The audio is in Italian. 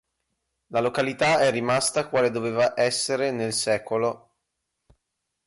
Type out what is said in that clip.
La località è rimasta quale doveva essere nel sec.